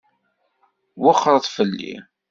Wexxṛet fell-i.